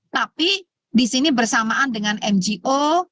tapi disini bersamaan dengan ngo